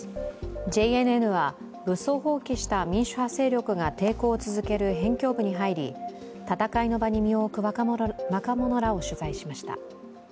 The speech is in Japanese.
ＪＮＮは武装蜂起した民主派勢力が抵抗を続ける辺境部に入り戦いの場に身を置く若者らを取材しました。